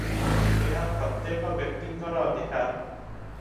ଏହା ପ୍ରତ୍ୟେକ ବ୍ୟକ୍ତିଙ୍କର ଅଧିକାର ।